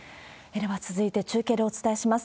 では続いて、中継でお伝えします。